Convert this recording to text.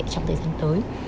trong thời gian tới